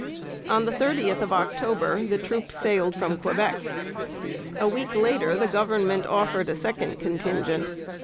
On the 30th of October the troops sailed from Quebec. A week later the Government offered a second contingent.